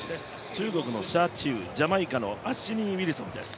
中国の謝智宇、ジャマイカのアッシニー・ウィルソンです。